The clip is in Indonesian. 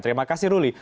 terima kasih ruli